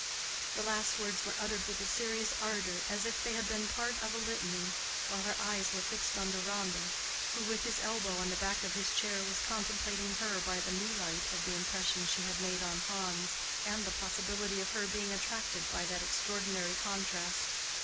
The last words were uttered with a serious ardor as if they had been part of a litany, while her eyes were fixed on Deronda, who with his elbow on the back of his chair was contemplating her by the new light of the impression she had made on Hans, and the possibility of her being attracted by that extraordinary contrast.